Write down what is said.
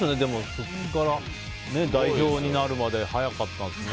そこから代表になるまで早かったですね。